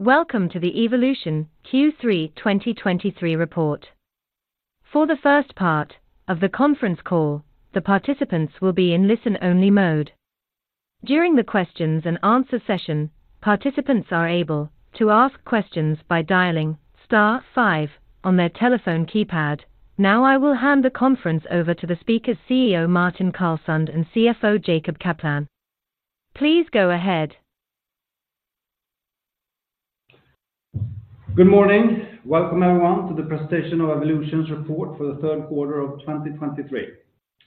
Welcome to the Evolution Q3 2023 report. For the first part of the conference call, the participants will be in listen-only mode. During the questions and answer session, participants are able to ask questions by dialing star five on their telephone keypad. Now, I will hand the conference over to the speakers, CEO Martin Carlesund and CFO Jacob Kaplan. Please go ahead. Good morning. Welcome everyone to the presentation of Evolution's report for the third quarter of 2023.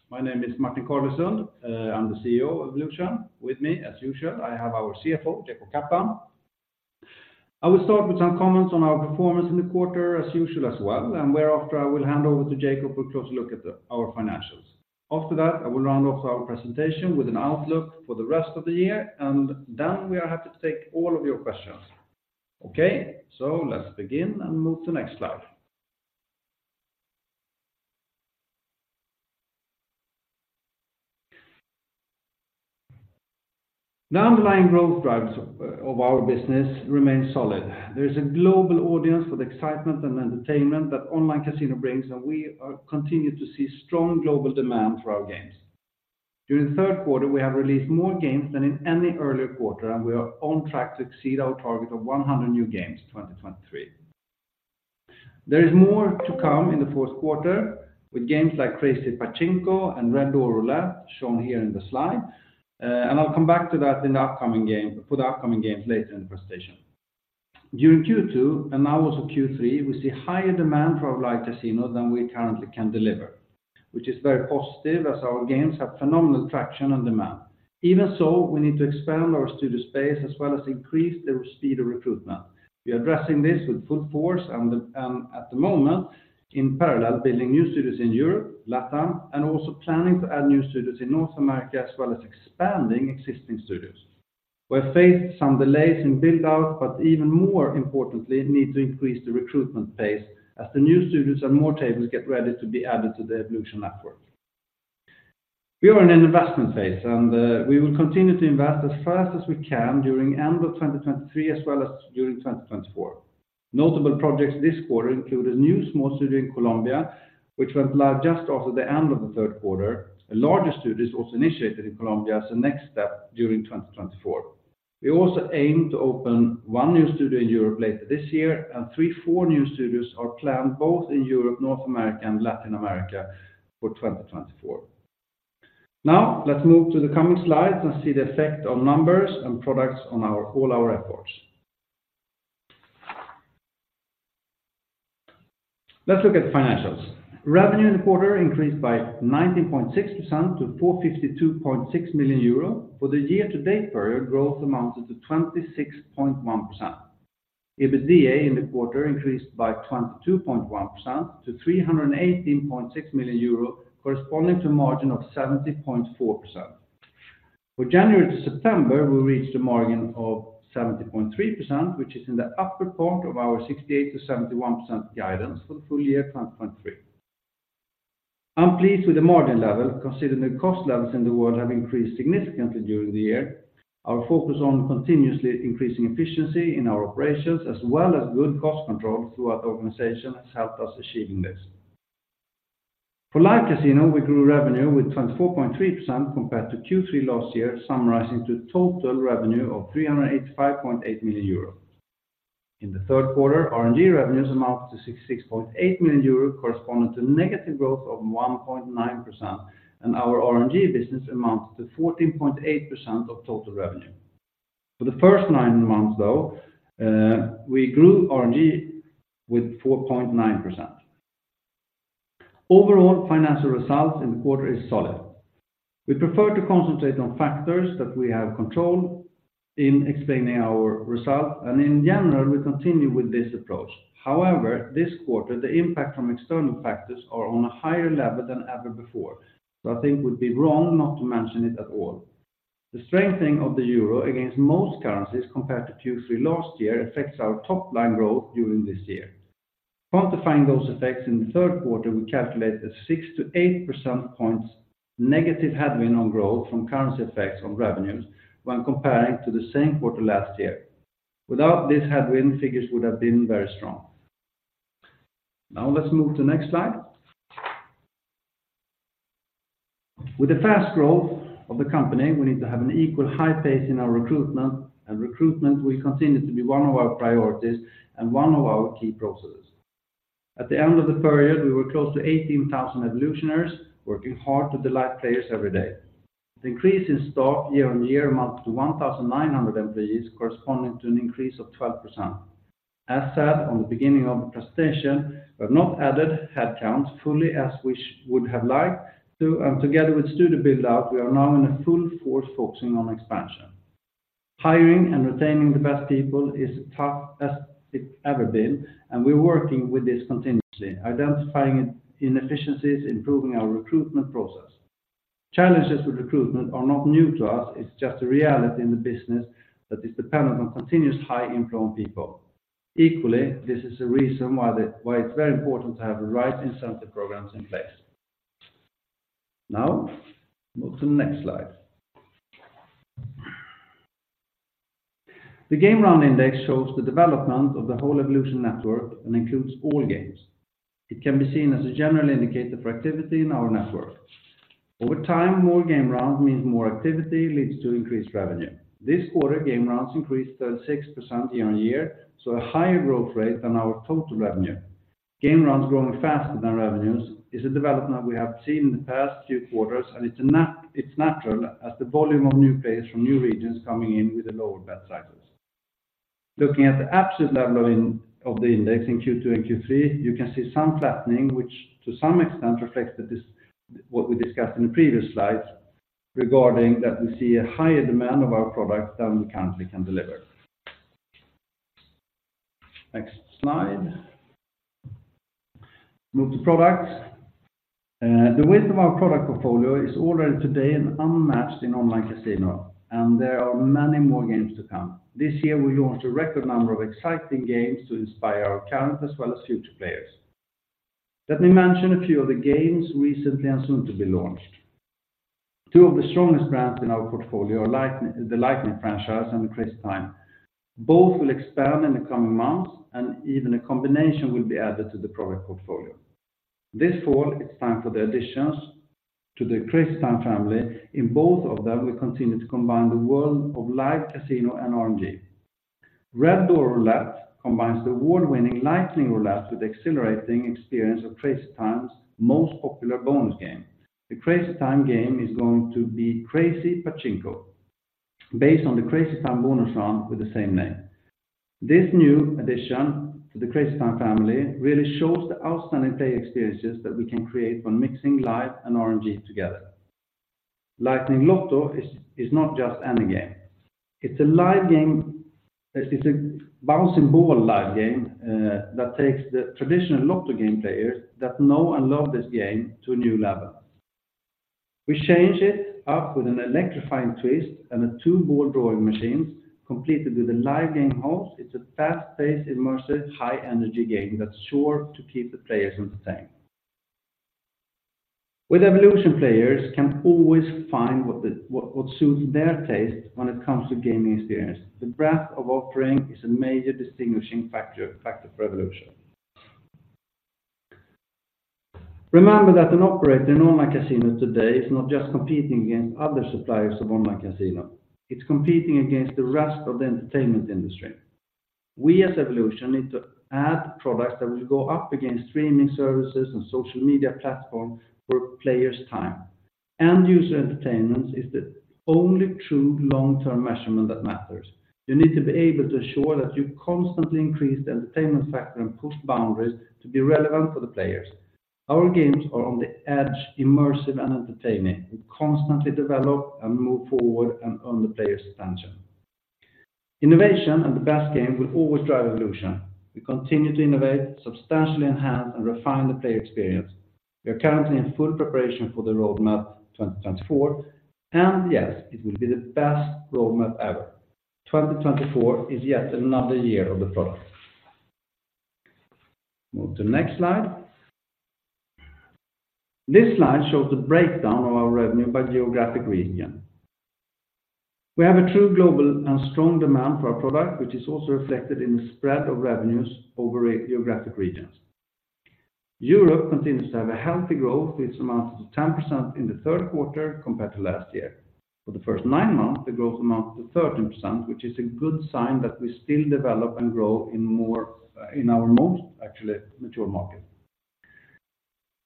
My name is Martin Carlesund. I'm the CEO of Evolution. With me, as usual, I have our CFO, Jacob Kaplan. I will start with some comments on our performance in the quarter as usual as well, and whereafter I will hand over to Jacob for a closer look at our financials. After that, I will round off our presentation with an outlook for the rest of the year, and then we are happy to take all of your questions. Okay, so let's begin and move to the next slide. The underlying growth drivers of our business remain solid. There is a global audience for the excitement and entertainment that online casino brings, and we are continued to see strong global demand for our games. During the third quarter, we have released more games than in any earlier quarter, and we are on track to exceed our target of 100 new games in 2023. There is more to come in the fourth quarter with games like Crazy Pachinko and Red Door Roulette, shown here in the slide, and I'll come back to that for the upcoming games later in the presentation. During Q2 and now also Q3, we see higher demand for our Live Casino than we currently can deliver, which is very positive as our games have phenomenal traction and demand. Even so, we need to expand our studio space as well as increase the speed of recruitment. We are addressing this with full force and the, at the moment, in parallel, building new studios in Europe, LatAm, and also planning to add new studios in North America, as well as expanding existing studios. We have faced some delays in build-out, but even more importantly, need to increase the recruitment pace as the new studios and more tables get ready to be added to the Evolution network. We are in an investment phase, and, we will continue to invest as fast as we can during end of 2023, as well as during 2024. Notable projects this quarter include a new small studio in Colombia, which went live just after the end of the third quarter. A larger studio is also initiated in Colombia as a next step during 2024. We also aim to open 1 new studio in Europe later this year, and 3-4 new studios are planned both in Europe, North America, and Latin America for 2024. Now, let's move to the coming slides and see the effect of numbers and products on our all our efforts. Let's look at financials. Revenue in the quarter increased by 19.6% to 452.6 million euro. For the year-to-date period, growth amounted to 26.1%. EBITDA in the quarter increased by 22.1% to 318.6 million euros, corresponding to a margin of 70.4%. For January to September, we reached a margin of 70.3%, which is in the upper part of our 68%-71% guidance for the full year of 2023. I'm pleased with the margin level, considering cost levels in the world have increased significantly during the year. Our focus on continuously increasing efficiency in our operations, as well as good cost control throughout the organization, has helped us achieving this. For Live Casino, we grew revenue with 24.3% compared to Q3 last year, summarizing to total revenue of 385.8 million euro. In the third quarter, RNG revenues amounted to 66.8 million euro, corresponding to negative growth of 1.9%, and our RNG business amounts to 14.8% of total revenue. For the first nine months, though, we grew RNG with 4.9%. Overall, financial results in the quarter is solid. We prefer to concentrate on factors that we have control in explaining our results, and in general, we continue with this approach. However, this quarter, the impact from external factors are on a higher level than ever before, so I think it would be wrong not to mention it at all. The strengthening of the euro against most currencies compared to Q3 last year affects our top-line growth during this year. Quantifying those effects in the third quarter, we calculate a 6-8 percentage points negative headwind on growth from currency effects on revenues when comparing to the same quarter last year. Without this headwind, figures would have been very strong. Now, let's move to the next slide. With the fast growth of the company, we need to have an equal high pace in our recruitment, and recruitment will continue to be one of our priorities and one of our key processes. At the end of the period, we were close to 18,000 Evolutioners, working hard to delight players every day. The increase in headcount year on year amounts to 1,900 employees, corresponding to an increase of 12%. As said, at the beginning of the presentation, we have not added headcount fully as we would have liked to, and together with studio build-out, we are now in full force focusing on expansion. Hiring and retaining the best people is tough as it's ever been, and we're working with this continuously, identifying inefficiencies, improving our recruitment process. Challenges with recruitment are not new to us. It's just a reality in the business that is dependent on continuous high inflow on people. Equally, this is a reason why the, why it's very important to have the right incentive programs in place... Now, move to the next slide. The game round index shows the development of the whole Evolution network and includes all games. It can be seen as a general indicator for activity in our network. Over time, more game rounds means more activity, leads to increased revenue. This quarter, game rounds increased 36% year-on-year, so a higher growth rate than our total revenue. Game rounds growing faster than revenues is a development we have seen in the past few quarters, and it's natural as the volume of new players from new regions coming in with a lower bet cycles. Looking at the absolute level of the index in Q2 and Q3, you can see some flattening, which to some extent reflects what we discussed in the previous slides, regarding that we see a higher demand of our products than we currently can deliver. Next slide. Move to products. The width of our product portfolio is already today unmatched in online casino, and there are many more games to come. This year, we launched a record number of exciting games to inspire our current as well as future players. Let me mention a few of the games recently and soon to be launched. Two of the strongest brands in our portfolio are Lightning franchise and Crazy Time. Both will expand in the coming months, and even a combination will be added to the product portfolio. This fall, it's time for the additions to the Crazy Time family. In both of them, we continue to combine the world of live casino and RNG. Red Door Roulette combines the award-winning Lightning Roulette with the exhilarating experience of Crazy Time's most popular bonus game. The Crazy Time game is going to be Crazy Pachinko, based on the Crazy Time bonus round with the same name. This new addition to the Crazy Time family really shows the outstanding play experiences that we can create when mixing live and RNG together. Lightning Lotto is not just any game. It's a live game. It's a bouncing ball live game that takes the traditional Lotto game players that know and love this game to a new level. We change it up with an electrifying twist and a two-ball drawing machine, completed with a live game host. It's a fast-paced, immersive, high-energy game that's sure to keep the players entertained. With Evolution, players can always find what suits their taste when it comes to gaming experience. The breadth of offering is a major distinguishing factor for Evolution. Remember that an operator in online casino today is not just competing against other suppliers of online casino, it's competing against the rest of the entertainment industry. We, as Evolution, need to add products that will go up against streaming services and social media platforms for players' time. End-user entertainment is the only true long-term measurement that matters. You need to be able to ensure that you constantly increase the entertainment factor and push boundaries to be relevant for the players. Our games are on the edge, immersive, and entertaining. We constantly develop and move forward and earn the players' attention. Innovation and the best game will always drive Evolution. We continue to innovate, substantially enhance, and refine the player experience. We are currently in full preparation for the roadmap 2024, and yes, it will be the best roadmap ever. 2024 is yet another year of the product. Move to the next slide. This slide shows the breakdown of our revenue by geographic region. We have a true global and strong demand for our product, which is also reflected in the spread of revenues over geographic regions. Europe continues to have a healthy growth, which amounts to 10% in the third quarter compared to last year. For the first 9 months, the growth amounts to 13%, which is a good sign that we still develop and grow in more, in our most actually mature market.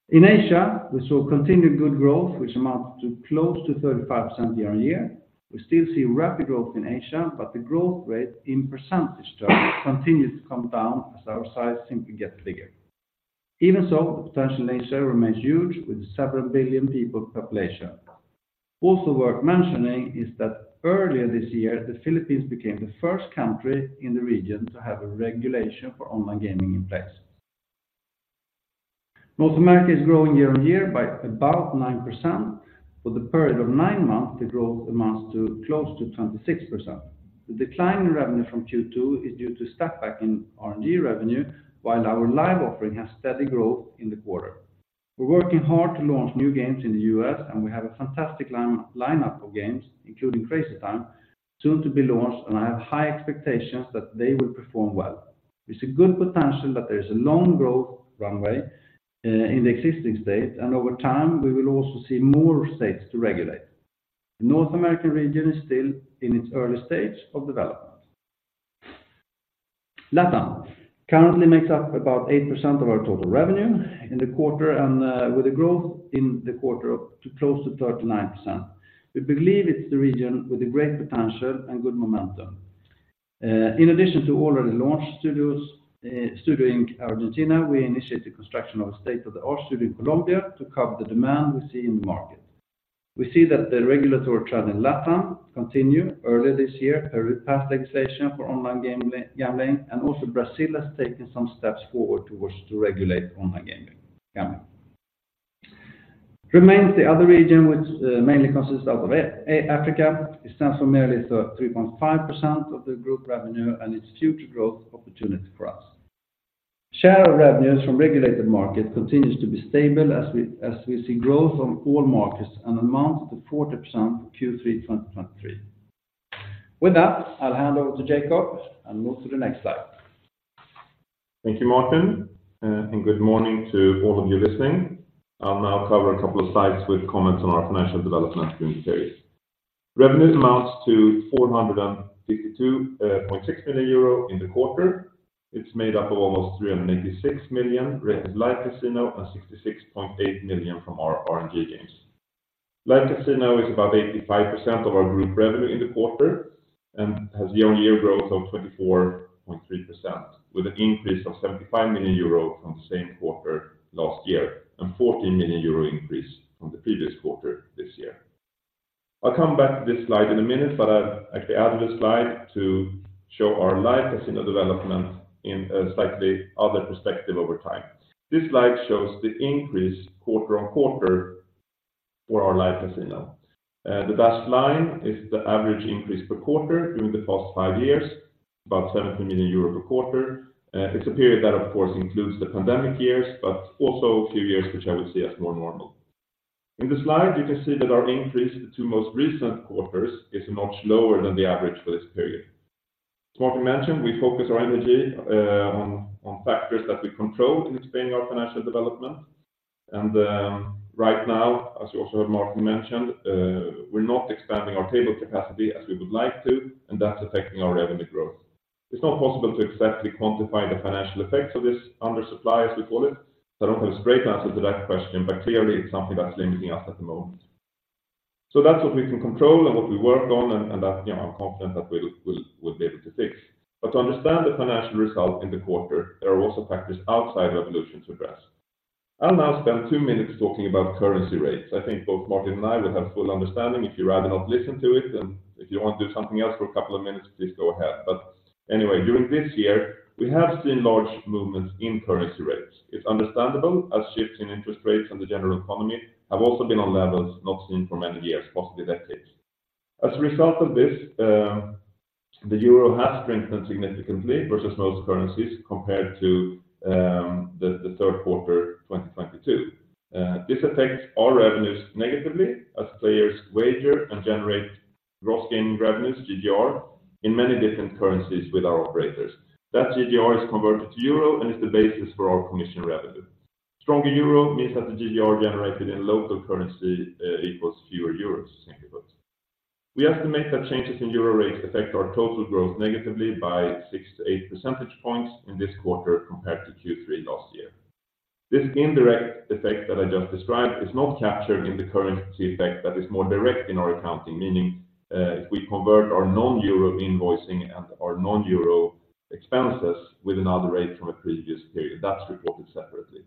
In Asia, we saw continued good growth, which amounts to close to 35% year-on-year. We still see rapid growth in Asia, but the growth rate in percentage terms continues to come down as our size simply gets bigger. Even so, the potential in Asia remains huge, with several billion people population. Also worth mentioning is that earlier this year, the Philippines became the first country in the region to have a regulation for online gaming in place. North America is growing year-on-year by about 9%. For the period of 9 months, the growth amounts to close to 26%. The decline in revenue from Q2 is due to step back in RNG revenue, while our live offering has steady growth in the quarter. We're working hard to launch new games in the U.S., and we have a fantastic lineup of games, including Crazy Time, soon to be launched, and I have high expectations that they will perform well. There's a good potential that there is a long growth runway, in the existing state, and over time, we will also see more states to regulate. The North American region is still in its early stage of development. Latin currently makes up about 8% of our total revenue in the quarter, and with a growth in the quarter up to close to 39%. We believe it's the region with a great potential and good momentum. In addition to already launched studios, studio in Argentina, we initiated the construction of a state-of-the-art studio in Colombia to cover the demand we see in the market. We see that the regulatory trend in Latin continue. Earlier this year, Peru passed legislation for online gaming, gambling, and also Brazil has taken some steps forward towards to regulate online gambling. Remains the other region, which mainly consists out of Africa. It stands for merely 3.5% of the group revenue and its future growth opportunity for us. Share of revenues from regulated market continues to be stable as we see growth on all markets and amount to 40% Q3 2023. With that, I'll hand over to Jacob and move to the next slide. Thank you, Martin, and good morning to all of you listening. I'll now cover a couple of slides with comments on our financial development during the period. Revenues amounts to 452.6 million euro in the quarter. It's made up of almost 386 million from Live Casino and 66.8 million from our RNG games. Live Casino is about 85% of our group revenue in the quarter and has year-on-year growth of 24.3%, with an increase of 75 million euro from the same quarter last year and 14 million euro increase from the previous quarter this year. I'll come back to this slide in a minute, but I've actually added a slide to show our Live Casino development in a slightly other perspective over time. This slide shows the increase quarter-on-quarter for our Live Casino. The best line is the average increase per quarter during the past five years, about 17 million euro per quarter. It's a period that, of course, includes the pandemic years, but also a few years, which I would see as more normal. In the slide, you can see that our increase in the two most recent quarters is much lower than the average for this period. As Martin mentioned, we focus our energy on factors that we control in explaining our financial development. Right now, as you also heard Martin mention, we're not expanding our table capacity as we would like to, and that's affecting our revenue growth. It's not possible to exactly quantify the financial effects of this under supply, as we call it, so I don't have a straight answer to that question, but clearly, it's something that's limiting us at the moment. So that's what we can control and what we work on, and, and that, you know, I'm confident that we'll be able to fix. But to understand the financial result in the quarter, there are also factors outside of Evolution to address. I'll now spend two minutes talking about currency rates. I think both Martin and I will have full understanding if you rather not listen to it, then if you want to do something else for a couple of minutes, please go ahead. But anyway, during this year, we have seen large movements in currency rates. It's understandable as shifts in interest rates and the general economy have also been on levels not seen for many years, possibly decades. As a result of this, the euro has strengthened significantly versus most currencies compared to the third quarter 2022. This affects all revenues negatively as players wager and generate gross gaming revenues, GGR, in many different currencies with our operators. That GGR is converted to euro and is the basis for our commission revenue. Stronger euro means that the GGR generated in local currency equals fewer euros, simply put. We estimate that changes in euro rates affect our total growth negatively by 6-8 percentage points in this quarter compared to Q3 last year. This indirect effect that I just described is not captured in the currency effect that is more direct in our accounting, meaning, if we convert our non-euro invoicing and our non-euro expenses with another rate from a previous period, that's reported separately.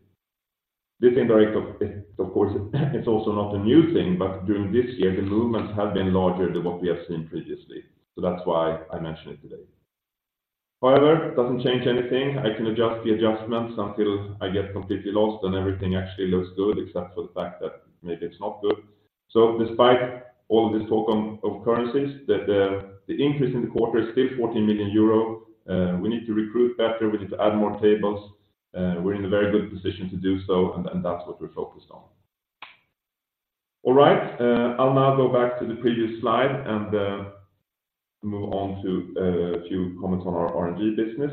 This indirect effect, of course, is also not a new thing, but during this year, the movements have been larger than what we have seen previously. So that's why I mentioned it today. However, it doesn't change anything. I can adjust the adjustments until I get completely lost and everything actually looks good, except for the fact that maybe it's not good. So despite all of this talk on currencies, the increase in the quarter is still 14 million euro. We need to recruit better, we need to add more tables. We're in a very good position to do so, and that's what we're focused on. All right, I'll now go back to the previous slide and move on to a few comments on our RNG business.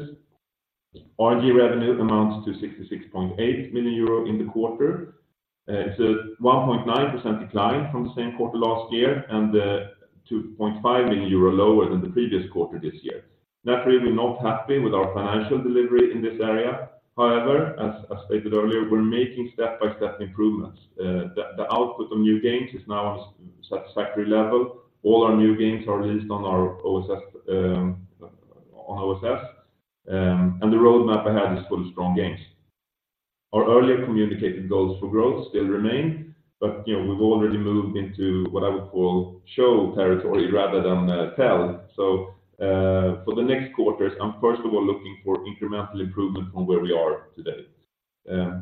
RNG revenue amounts to 66.8 million euro in the quarter. It's a 1.9% decline from the same quarter last year and 2.5 million euro lower than the previous quarter this year. Not really not happy with our financial delivery in this area. However, as stated earlier, we're making step-by-step improvements. The output on new games is now on a satisfactory level. All our new games are released on our OSS and the roadmap ahead is full of strong games. Our earlier communicated goals for growth still remain, but, you know, we've already moved into what I would call show territory rather than tell. So, for the next quarters, I'm first of all looking for incremental improvement from where we are today.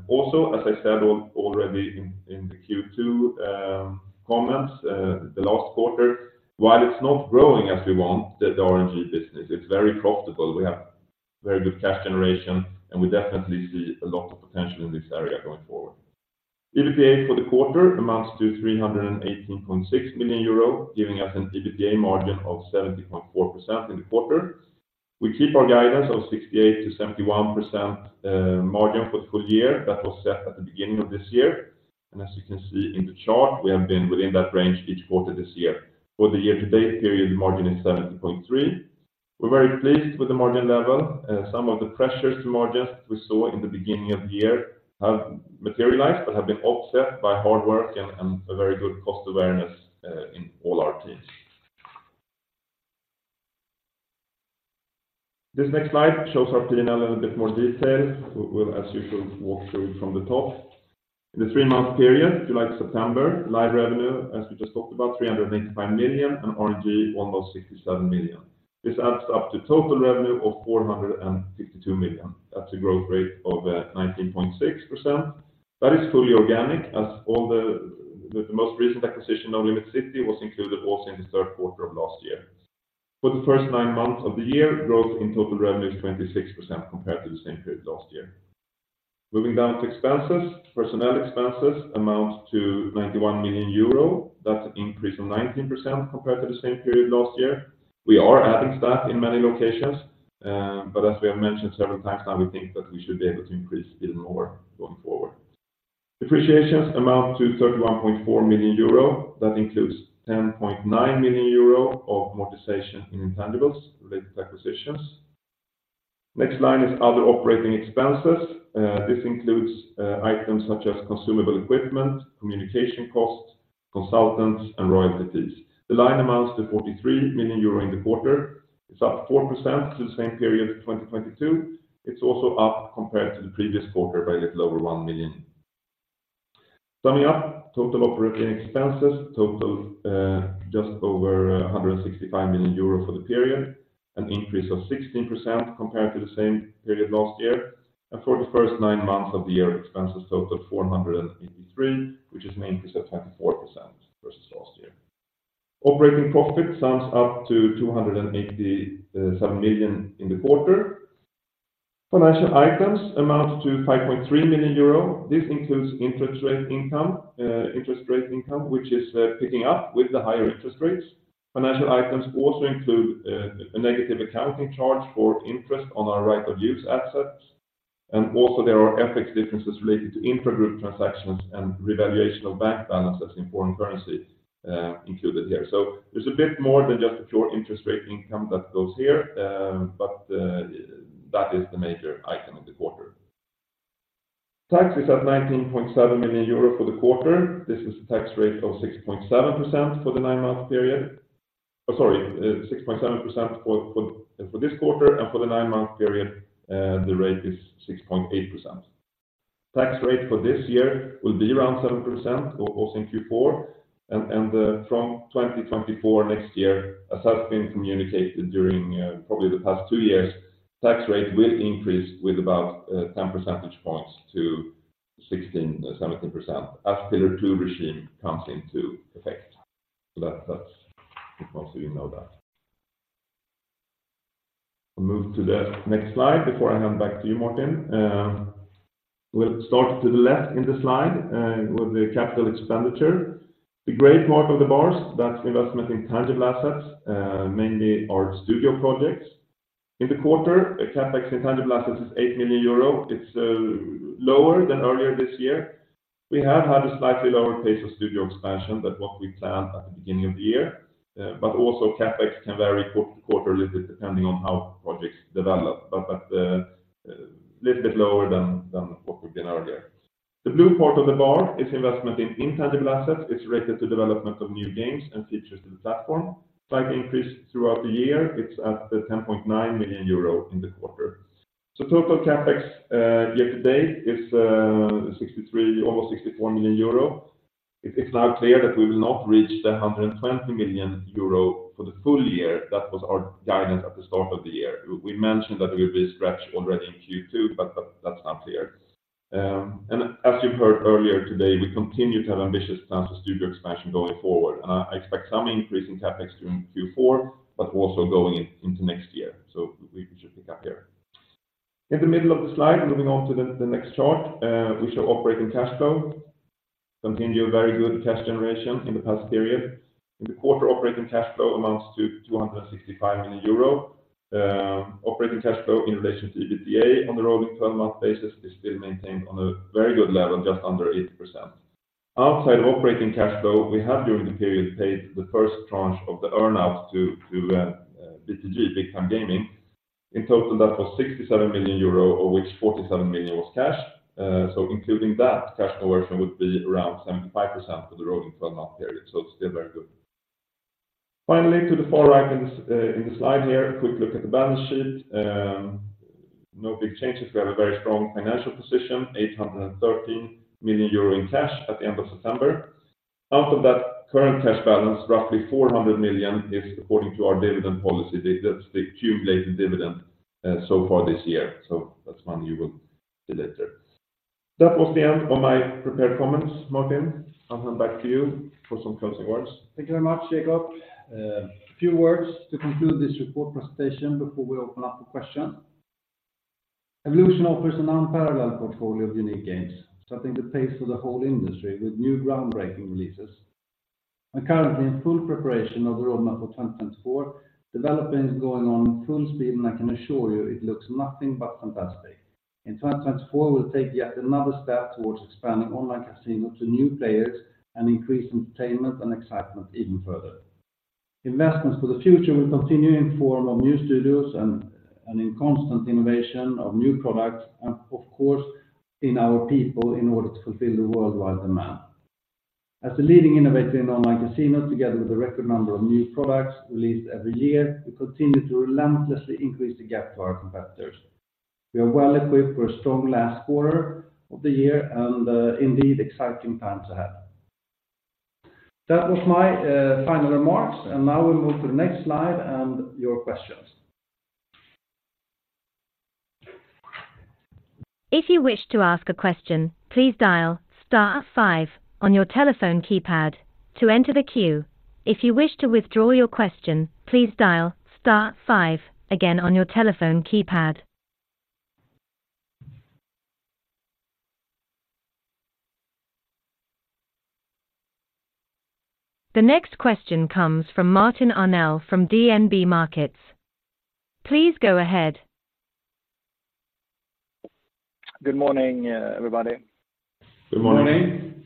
Also, as I said already in the Q2 comments, the last quarter, while it's not growing as we want, the RNG business, it's very profitable. We have very good cash generation, and we definitely see a lot of potential in this area going forward. EBITDA for the quarter amounts to 318.6 million euro, giving us an EBITDA margin of 70.4% in the quarter. We keep our guidance of 68%-71% margin for the full year. That was set at the beginning of this year. As you can see in the chart, we have been within that range each quarter this year. For the year-to-date period, the margin is 70.3%. We're very pleased with the margin level. Some of the pressures to margins we saw in the beginning of the year have materialized but have been offset by hard work and a very good cost awareness in all our teams. This next slide shows our P&L in a little bit more detail. We'll, as usual, walk through it from the top. In the three-month period, July to September, live revenue, as we just talked about, 385 million, and RNG, almost 67 million. This adds up to total revenue of 452 million. That's a growth rate of 19.6%. That is fully organic, as all the most recent acquisition, Nolimit City, was included also in the third quarter of last year. For the first nine months of the year, growth in total revenue is 26% compared to the same period last year. Moving down to expenses, personnel expenses amount to 91 million euro. That's an increase of 19% compared to the same period last year. We are adding staff in many locations, but as we have mentioned several times now, we think that we should be able to increase even more going forward. Depreciations amount to 31.4 million euro. That includes 10.9 million euro of amortization in intangibles-related acquisitions. Next line is other operating expenses. This includes items such as consumable equipment, communication costs, consultants, and royalties. The line amounts to 43 million euro in the quarter. It's up 4% to the same period, 2022. It's also up compared to the previous quarter by a little over 1 million. Summing up, total operating expenses totaled just over 165 million euro for the period, an increase of 16% compared to the same period last year, and for the first nine months of the year, expenses totaled 483 million, which is an increase of 34% versus last year. Operating profit sums up to 287 million in the quarter. Financial items amount to 5.3 million euro. This includes interest rate income, interest rate income, which is picking up with the higher interest rates. Financial items also include a negative accounting charge for interest on our right of use assets, and also there are FX differences related to intra-group transactions and revaluation of bank balances in foreign currency, included here. So there's a bit more than just a pure interest rate income that goes here, but that is the major item in the quarter. Tax is at 19.7 million euro for the quarter. This is a tax rate of 6.7% for the nine-month period—Oh, sorry, 6.7% for this quarter, and for the nine-month period, the rate is 6.8%. Tax rate for this year will be around 7%, also in Q4, and from 2024 next year, as has been communicated during probably the past 2 years, tax rate will increase with about 10 percentage points to 16%-17%, as Pillar Two regime comes into effect. So that's... Just want you to know that. I'll move to the next slide before I hand back to you, Martin. We'll start to the left in the slide with the capital expenditure. The gray part of the bars, that's investment in tangible assets, mainly our studio projects. In the quarter, CapEx in tangible assets is 8 million euro. It's lower than earlier this year. We have had a slightly lower pace of studio expansion than what we planned at the beginning of the year, but also CapEx can vary quarter, quarterly, depending on how projects develop, but at the little bit lower than, than what we've been earlier. The blue part of the bar is investment in intangible assets. It's related to development of new games and features to the platform. Slight increase throughout the year, it's at the 10.9 million euro in the quarter. So total CapEx, year to date is, 63, almost 64 million euro. It's, it's now clear that we will not reach the 120 million euro for the full year. That was our guidance at the start of the year. We mentioned that it would be a stretch already in Q2, but that, that's now clear. And as you've heard earlier today, we continue to have ambitious plans for studio expansion going forward, and I expect some increase in CapEx during Q4, but also going in, into next year, so we should pick up here. In the middle of the slide, moving on to the next chart, we show operating cash flow. Continue a very good cash generation in the past period. In the quarter, operating cash flow amounts to 265 million euro. Operating cash flow in relation to EBITDA on the rolling twelve-month basis is still maintained on a very good level, just under 80%. Outside of operating cash flow, we have, during the period, paid the first tranche of the earn-out to BTG, Big Time Gaming. In total, that was 67 million euro, of which 47 million was cash. So including that, cash conversion would be around 75% for the rolling twelve-month period, so it's still very good. Finally, to the far right in the slide here, a quick look at the balance sheet. No big changes. We have a very strong financial position, 813 million euro in cash at the end of September. Out of that current cash balance, roughly 400 million is according to our dividend policy. That's the accumulated dividend, so far this year, so that's money you will see later. That was the end of my prepared comments, Martin. I'll hand back to you for some closing words. Thank you very much, Jacob. A few words to conclude this report presentation before we open up for questions. Evolution offers an unparalleled portfolio of unique games, setting the pace for the whole industry with new groundbreaking releases. We're currently in full preparation of the roadmap for 2024. Development is going on full speed, and I can assure you it looks nothing but fantastic. In 2024, we'll take yet another step towards expanding online casino to new players and increase entertainment and excitement even further. Investments for the future will continue in form of new studios and in constant innovation of new products and, of course, in our people in order to fulfill the worldwide demand. As a leading innovator in online casino, together with a record number of new products released every year, we continue to relentlessly increase the gap to our competitors. We are well equipped for a strong last quarter of the year and, indeed, exciting times ahead. That was my final remarks, and now we move to the next slide and your questions. If you wish to ask a question, please dial star five on your telephone keypad to enter the queue. If you wish to withdraw your question, please dial star five again on your telephone keypad. The next question comes from Martin Arnell from DNB Markets. Please go ahead. Good morning, everybody. Good morning.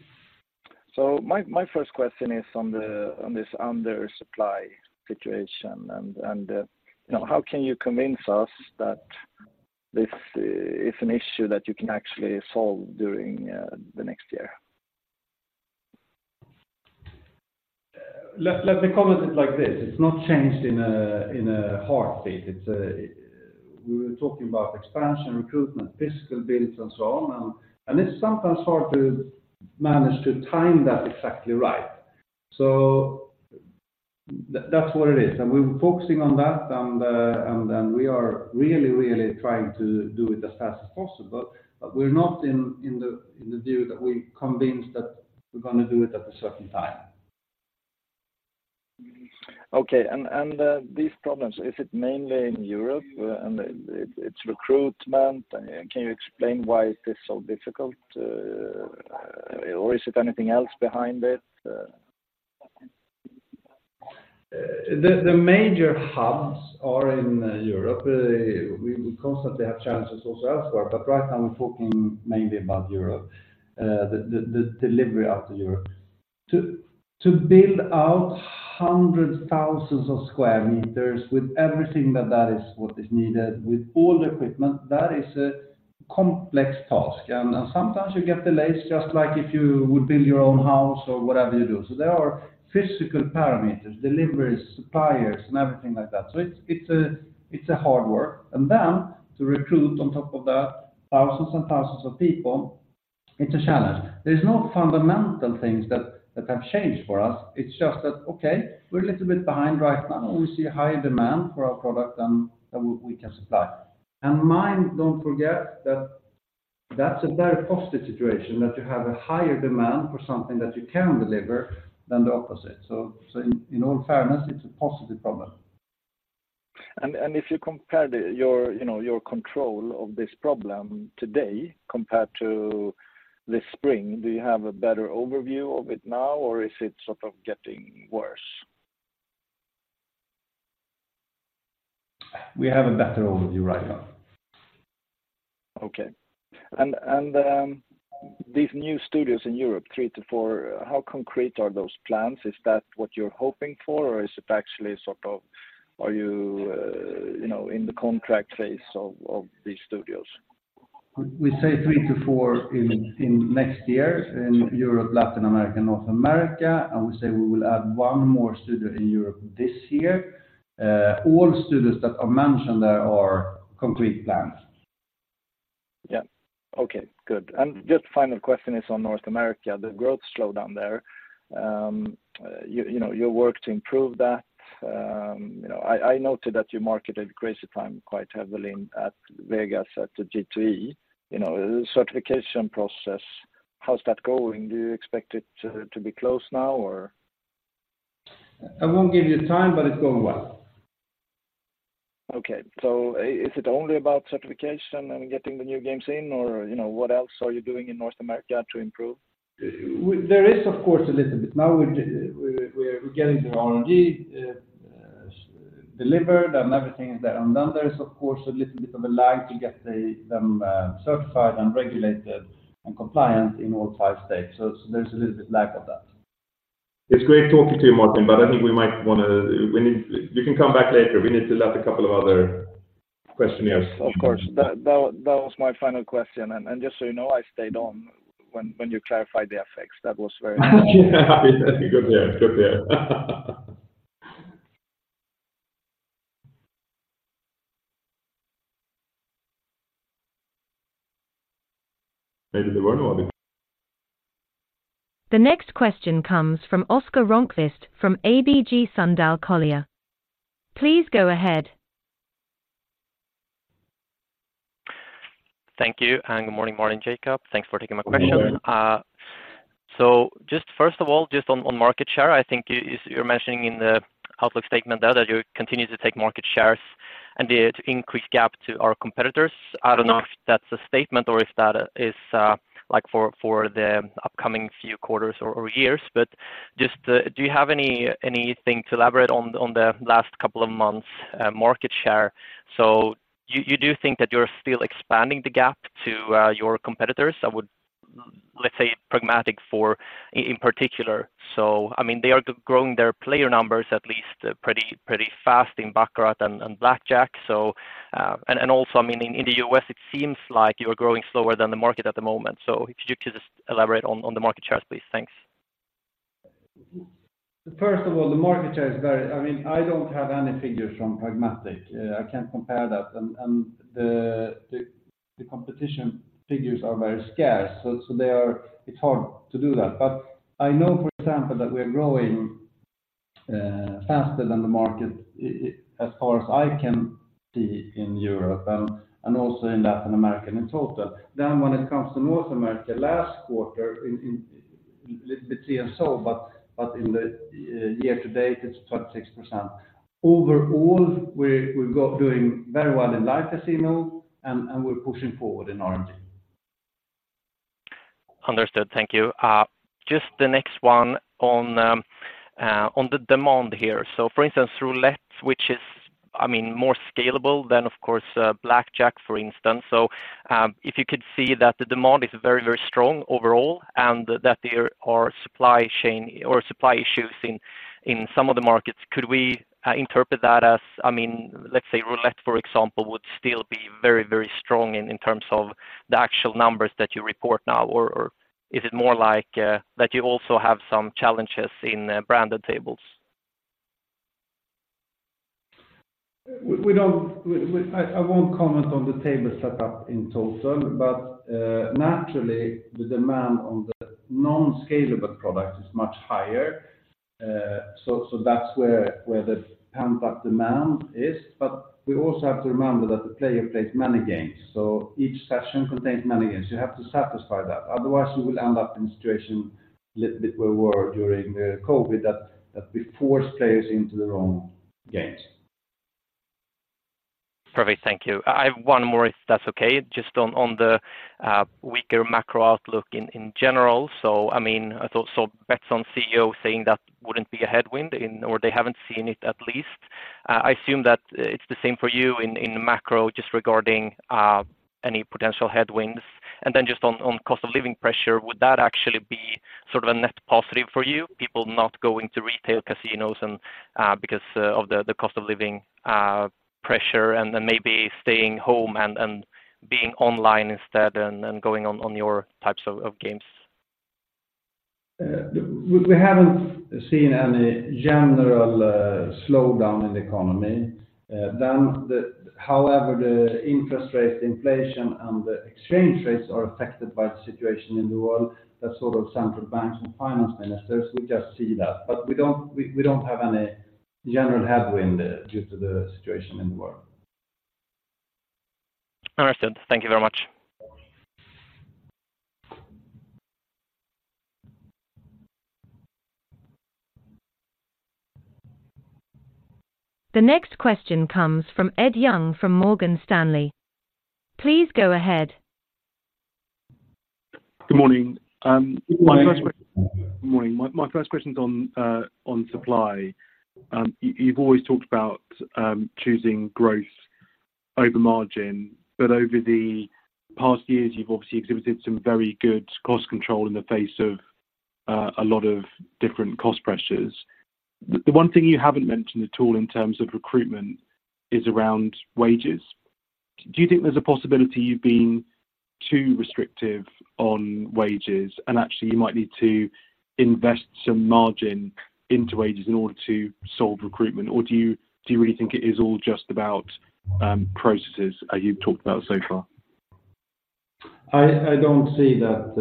So my first question is on this under supply situation, and, you know, how can you convince us that this is an issue that you can actually solve during the next year? Let me comment it like this. It's not changed in a heartbeat. It's we were talking about expansion, recruitment, physical builds, and so on. And it's sometimes hard to manage to time that exactly right. So that's what it is. And we're focusing on that, and we are really, really trying to do it as fast as possible. But we're not in the view that we convinced that we're gonna do it at a certain time. Okay. And these problems, is it mainly in Europe, and it's recruitment? Can you explain why is this so difficult, or is it anything else behind it? The major hubs are in Europe. We constantly have challenges also elsewhere, but right now we're talking mainly about Europe, the delivery out to Europe. To build out hundreds of thousands of square meters with everything that is what is needed, with all the equipment, that is a complex task. And sometimes you get delays, just like if you would build your own house or whatever you do. So there are physical parameters, deliveries, suppliers, and everything like that. So it's a hard work. And then to recruit on top of that, thousands of people, it's a challenge. There's no fundamental things that have changed for us. It's just that, okay, we're a little bit behind right now, and we see a higher demand for our product than we can supply. Mind, don't forget that that's a very positive situation, that you have a higher demand for something that you can deliver than the opposite. So, in all fairness, it's a positive problem. If you compare your, you know, your control of this problem today compared to this spring, do you have a better overview of it now, or is it sort of getting worse? We have a better overview right now. Okay. These new studios in Europe, 3-4, how concrete are those plans? Is that what you're hoping for, or is it actually sort of are you, you know, in the contract phase of these studios? We say 3-4 in next year in Europe, Latin America, North America, and we say we will add 1 more studio in Europe this year. All studios that I mentioned there are concrete plans. Yeah. Okay, good. Just final question is on North America, the growth slowdown there. You know, you work to improve that. You know, I noted that you marketed Crazy Time quite heavily in, at Vegas, at the G2E. You know, certification process, how's that going? Do you expect it to be closed now, or? I won't give you a time, but it's going well. Okay. So is it only about certification and getting the new games in, or, you know, what else are you doing in North America to improve? There is, of course, a little bit. Now we're getting the R&D delivered, and everything is there. And then there is, of course, a little bit of a lag to get them certified and regulated and compliant in all five states. So there's a little bit lag of that. It's great talking to you, Martin, but I think we might wanna. We need... You can come back later. We need to let a couple of other questioners. Of course. That was my final question. And just so you know, I stayed on when you clarified the effects, that was very- Good to hear. Good to hear. Maybe there were no other- The next question comes from Oscar Rönnkvist from ABG Sundal Collier. Please go ahead. Thank you, and good morning, Martin, Jacob. Thanks for taking my question. Good morning. So just first of all, just on, on market share, I think you, you're mentioning in the outlook statement there that you continue to take market shares and the increased gap to our competitors. I don't know if that's a statement or if that is, like, for, for the upcoming few quarters or, or years, but just, do you have any, anything to elaborate on, on the last couple of months, market share? So you, you do think that you're still expanding the gap to, your competitors? I would, let's say, Pragmatic for in, in particular. So, I mean, they are growing their player numbers at least pretty, pretty fast in baccarat and, and blackjack. So, and, and also, I mean, in, in the U.S., it seems like you're growing slower than the market at the moment. So if you could just elaborate on, on the market shares, please? Thanks. First of all, the market share is very—I mean, I don't have any figures from Pragmatic. I can't compare that. And the competition figures are very scarce, so they are—it's hard to do that. But I know, for example, that we're growing faster than the market, as far as I can see in Europe and also in Latin America in total. Then when it comes to North America, last quarter in a little bit here, so, but in the year to date, it's 26%. Overall, we're, we've got doing very well in Live Casino and we're pushing forward in RNG. Understood. Thank you. Just the next one on the demand here. So for instance, roulette, which is, I mean, more scalable than, of course, blackjack, for instance. So, if you could see that the demand is very, very strong overall, and that there are supply chain or supply issues in some of the markets, could we interpret that as, I mean, let's say, roulette, for example, would still be very, very strong in terms of the actual numbers that you report now? Or, is it more like that you also have some challenges in branded tables? I won't comment on the table setup in total, but naturally, the demand on the non-scalable product is much higher. So that's where the pumped up demand is. But we also have to remember that the player plays many games, so each session contains many games. You have to satisfy that, otherwise you will end up in a situation little bit where we were during COVID, that we force players into the wrong games. Perfect. Thank you. I have one more, if that's okay, just on the weaker macro outlook in general. So, I mean, I thought saw Betsson CEO saying that wouldn't be a headwind, or they haven't seen it at least. I assume that it's the same for you in macro, just regarding any potential headwinds. And then just on cost of living pressure, would that actually be sort of a net positive for you, people not going to retail casinos because of the cost of living pressure, and then maybe staying home and being online instead and going on your types of games? We haven't seen any general slowdown in the economy. However, the interest rates, inflation, and the exchange rates are affected by the situation in the world. That's sort of central banks and finance ministers. We just see that, but we don't have any general headwind due to the situation in the world. Understood. Thank you very much. The next question comes from Ed Young from Morgan Stanley. Please go ahead. Good morning. Good morning. Good morning. My first question is on supply. You've always talked about choosing growth over margin, but over the past years, you've obviously exhibited some very good cost control in the face of a lot of different cost pressures. The one thing you haven't mentioned at all in terms of recruitment is around wages. Do you think there's a possibility you've been too restrictive on wages, and actually you might need to invest some margin into wages in order to solve recruitment? Or do you really think it is all just about processes, as you've talked about so far? I don't see that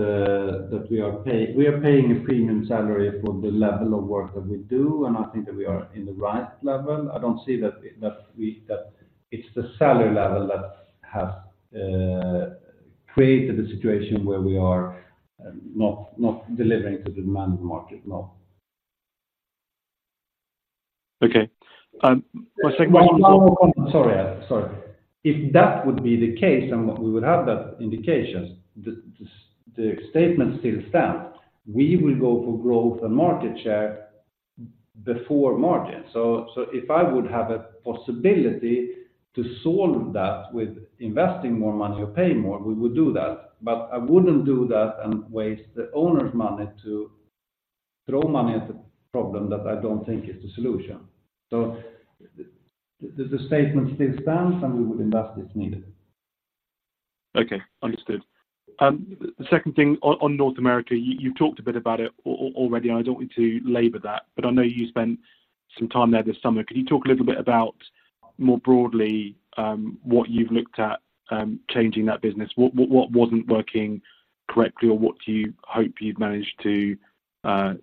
we are paying a premium salary for the level of work that we do, and I think that we are in the right level. I don't see that it's the salary level that has created a situation where we are not delivering to the demanded market, no. Okay, my second one- One more comment. Sorry, Ed. Sorry. If that would be the case, and we would have that indication, the statement still stands. We will go for growth and market share before margin. So, if I would have a possibility to solve that with investing more money or paying more, we would do that. But I wouldn't do that and waste the owners' money to throw money at the problem that I don't think is the solution. So the statement still stands, and we would invest if needed. Okay, understood. The second thing on North America, you've talked a bit about it already. I don't want to labor that, but I know you spent some time there this summer. Could you talk a little bit about, more broadly, what you've looked at changing that business? What wasn't working correctly, or what do you hope you've managed to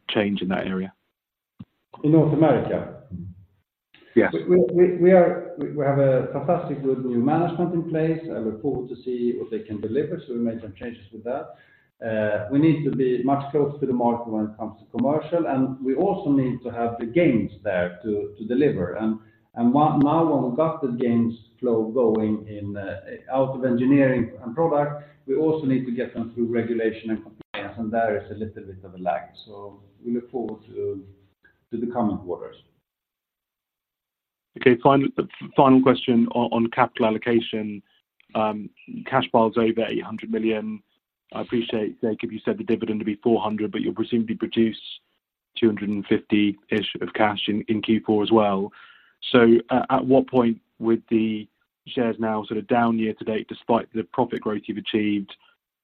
change in that area? In North America? Yes. We have a fantastic good new management in place. I look forward to see what they can deliver, so we made some changes with that. We need to be much closer to the market when it comes to commercial, and we also need to have the games there to deliver. Now when we got the games flow going in out of engineering and product, we also need to get them through regulation and compliance, and there is a little bit of a lag. So we look forward to the coming quarters. Okay, final, final question on, on capital allocation. Cash pile is over 800 million. I appreciate, Zach, if you set the dividend to be 400 million, but you'll presumably produce 250 million-ish of cash in, in Q4 as well. So at, at what point would the shares now sort of down year-to-date, despite the profit growth you've achieved,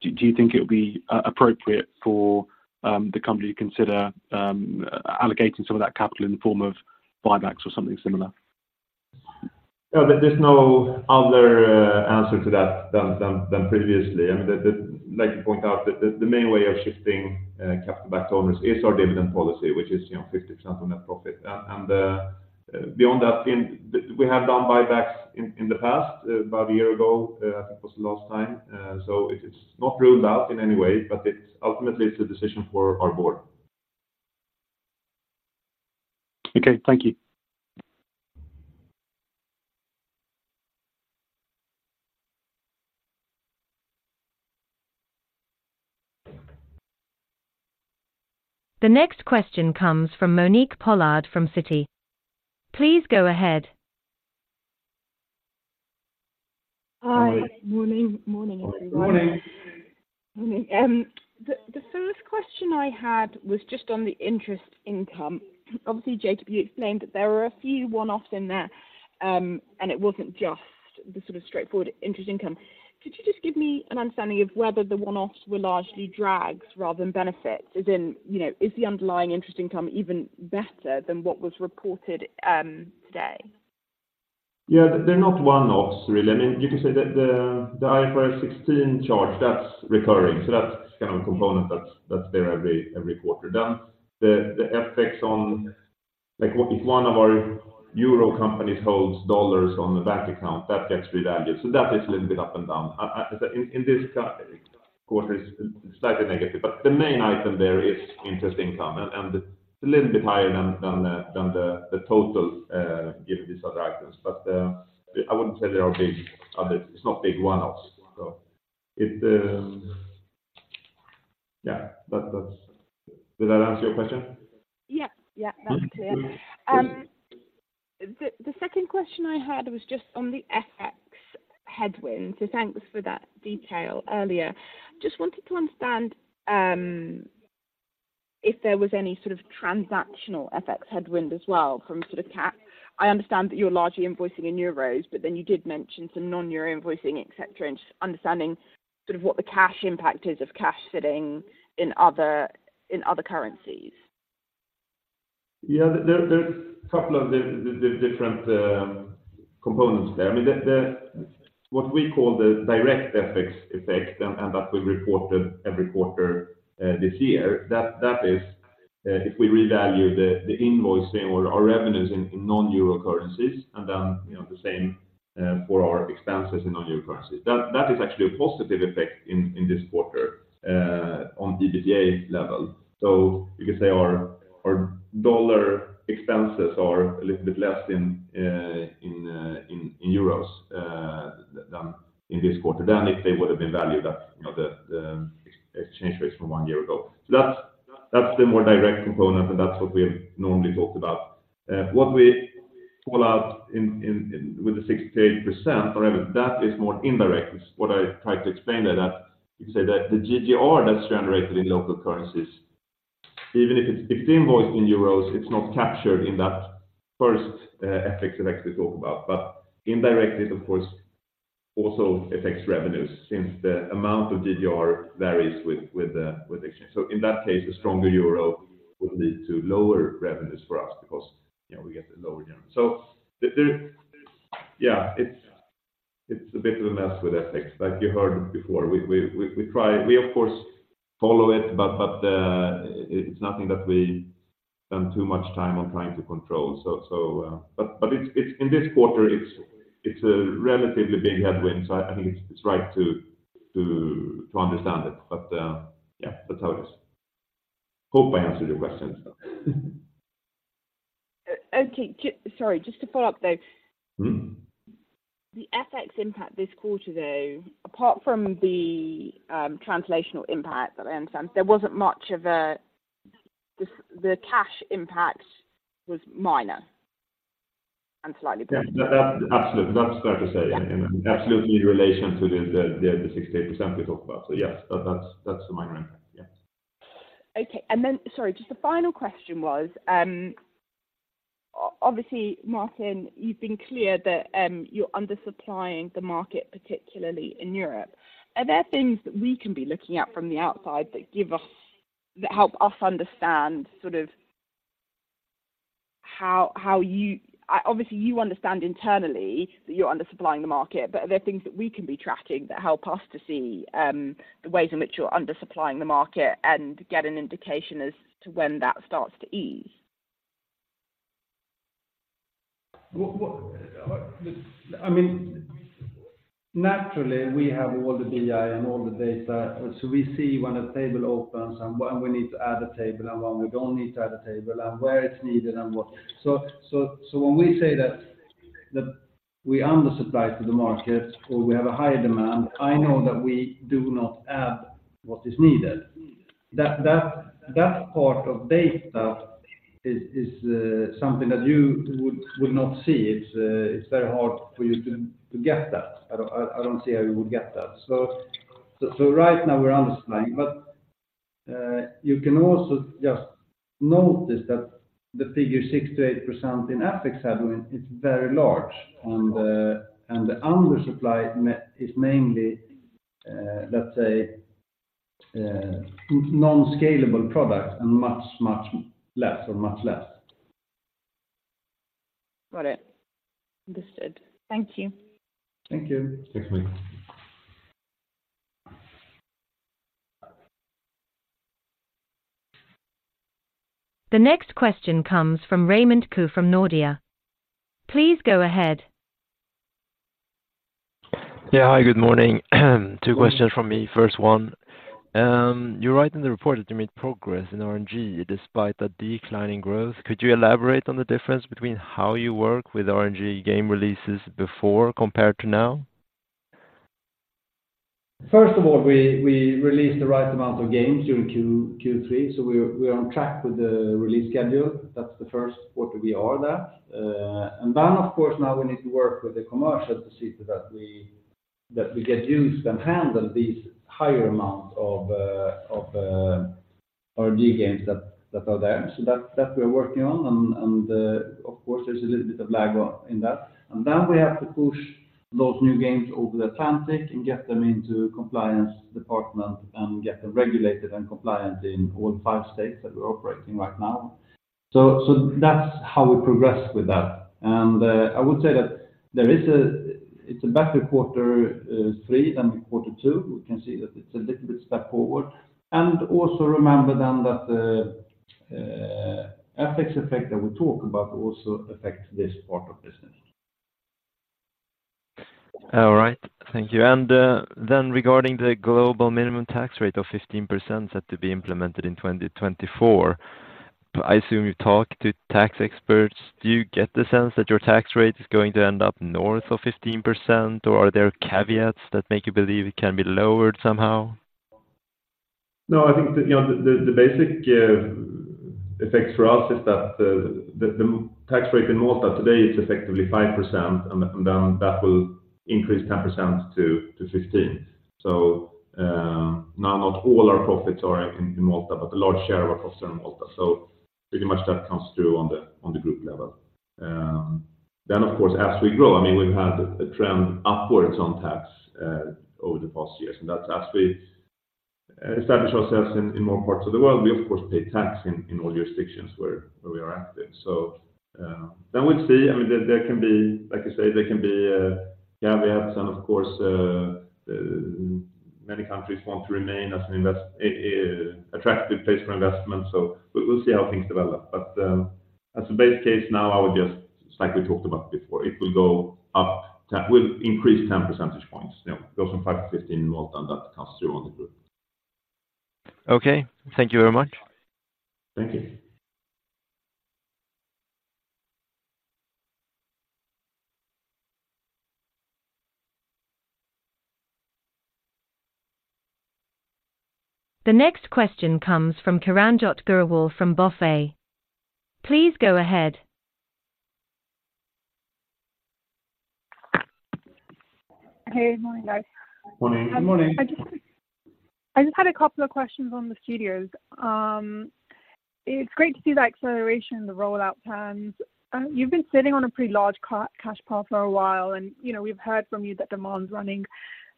do, do you think it would be appropriate for the company to consider allocating some of that capital in the form of buybacks or something similar? ... Yeah, there's no other answer to that than previously. And the—like you point out, the main way of shifting capital back to owners is our dividend policy, which is, you know, 50% on net profit. And beyond that, in the—we have done buybacks in the past, about a year ago, I think was the last time. So it is not ruled out in any way, but it's ultimately a decision for our board. Okay, thank you. The next question comes from Monique Pollard from Citi. Please go ahead. Hi. Morning, morning, everyone. Morning. Morning. The first question I had was just on the interest income. Obviously, JW explained that there were a few one-offs in there, and it wasn't just the sort of straightforward interest income. Could you just give me an understanding of whether the one-offs were largely drags rather than benefits? As in, you know, is the underlying interest income even better than what was reported today? Yeah, they're not one-offs, really. I mean, you can say that the IFRS 16 charge, that's recurring, so that's kind of a component that's there every quarter. Then the FX on... Like, what if one of our euro companies holds dollars on the bank account, that gets revalued, so that is a little bit up and down. In this quarter, it's slightly negative, but the main item there is interest income, and it's a little bit higher than the total given these other items. But I wouldn't say they are big others. It's not big one-offs. So if the-- Yeah, but that's... Did that answer your question? Yeah. Yeah, that's clear. Mm-hmm. The second question I had was just on the FX headwind. So thanks for that detail earlier. Just wanted to understand if there was any sort of transactional FX headwind as well from sort of. I understand that you're largely invoicing in euros, but then you did mention some non-euro invoicing, et cetera, and just understanding sort of what the cash impact is of cash sitting in other currencies. Yeah, there's a couple of the different components there. I mean, the what we call the direct FX effect, and that we reported every quarter this year, that is, if we revalue the invoicing or our revenues in non-euro currencies, and then, you know, the same for our expenses in non-euro currencies. That is actually a positive effect in this quarter on EBITDA level. So you could say our dollar expenses are a little bit less than in euros than in this quarter, than if they would have been valued at, you know, the exchange rates from one year ago. So that's the more direct component, and that's what we normally talk about. What we call out in with the 68% revenue, that is more indirect. It's what I tried to explain that you say that the GGR that's generated in local currencies, even if it's invoiced in euros, it's not captured in that first FX effect we talk about. But indirectly, it of course also affects revenues since the amount of GGR varies with the exchange. So in that case, the stronger euro would lead to lower revenues for us because, you know, we get the lower down. So there, there's yeah, it's a bit of a mess with FX, but you heard it before. We try, we of course follow it, but it's nothing that we spend too much time on trying to control. But it's in this quarter, it's a relatively big headwind, so I think it's right to understand it. But yeah, that's how it is. Hope I answered your questions. Okay. Sorry, just to follow up, though. Mm-hmm. The FX impact this quarter, though, apart from the translational impact that I understand, there wasn't much of a... The cash impact was minor and slightly better. Yeah. That absolutely, that's fair to say. Yeah. Absolutely, in relation to the 68% we talked about. So yes, that's the minor impact. Yes. Okay. And then, sorry, just the final question was, obviously, Martin, you've been clear that you're undersupplying the market, particularly in Europe. Are there things that we can be looking at from the outside that help us understand sort of how you... Obviously, you understand internally that you're undersupplying the market, but are there things that we can be tracking that help us to see the ways in which you're undersupplying the market and get an indication as to when that starts to ease? What? I mean, naturally, we have all the BI and all the data, so we see when a table opens and when we need to add a table, and when we don't need to add a table, and where it's needed and what. So when we say that we undersupply to the market or we have a higher demand, I know that we do not add what is needed. That part of data is something that you would not see. It's very hard for you to get that. I don't see how you would get that. So right now we're undersupplying, but you can also just notice that the figure 6%-8% in FX headwind, it's very large, and the undersupply is mainly, let's say-... non-scalable products and much, much less or much less. Got it. Understood. Thank you. Thank you. Thanks, Monique. The next question comes from Raymond Ke from Nordea. Please go ahead. Yeah. Hi, good morning. Two questions from me. First one, you write in the report that you made progress in RNG despite a declining growth. Could you elaborate on the difference between how you work with RNG game releases before compared to now? First of all, we, we released the right amount of games during Q3, so we're, we're on track with the release schedule. That's the first quarter we are there. And then, of course, now we need to work with the commercial to see that we, that we get used and handle these higher amounts of RNG games that, that are there. So that, that we are working on, and of course, there's a little bit of lag on, in that. And then we have to push those new games over the Atlantic and get them into compliance department and get them regulated and compliant in all five states that we're operating right now. So, so that's how we progress with that. And I would say that there is a, it's a better quarter three than quarter two. We can see that it's a little bit step forward. Also remember then that the FX effect that we talk about also affect this part of business. All right, thank you. And then regarding the global minimum tax rate of 15% set to be implemented in 2024, I assume you talk to tax experts, do you get the sense that your tax rate is going to end up north of 15%, or are there caveats that make you believe it can be lowered somehow? No, I think you know, the basic effects for us is that the tax rate in Malta today is effectively 5%, and then that will increase 10% to 15%. So, now, not all our profits are in Malta, but a large share of our profits are in Malta. So pretty much that comes through on the group level. Then, of course, as we grow, I mean, we've had a trend upwards on tax over the past years, and that's as we establish ourselves in more parts of the world, we of course, pay tax in all jurisdictions where we are active. So, then we'll see. I mean, there can be, like you said, there can be caveats, and of course many countries want to remain an attractive place for investment. So we'll see how things develop. But, as a base case now, I would just, like we talked about before, it will go up 10... We'll increase 10 percentage points. Yeah, it goes from 5% to 15% in Malta, and that comes through on the group. Okay. Thank you very much. Thank you. The next question comes from Kiranjot Grewal from BofA. Please go ahead. Hey, good morning, guys. Morning. Good morning. I just had a couple of questions on the studios. It's great to see that acceleration in the rollout plans. You've been sitting on a pretty large cash pile for a while, and, you know, we've heard from you that demand is running